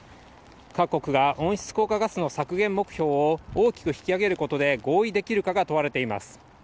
各国が温室効果ガスの削減目標を大きく引き上げることで合意できるかが問われています。